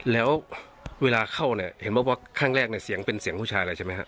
แล้วเวลาเข้าเนี่ยเห็นว่าข้างแรกเนี่ยเสียงเป็นเสียงผู้ชายเลยใช่ไหมฮะ